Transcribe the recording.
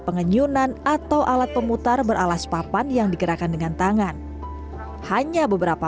pengenyunan atau alat pemutar beralas papan yang digerakkan dengan tangan hanya beberapa